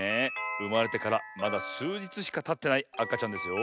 うまれてからまだすうじつしかたってないあかちゃんですよ。